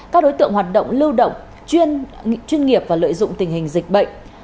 các đối tượng hoạt động lưu động chuyên chuyên nghiệp và lợi dụng tình hình dịch bệnh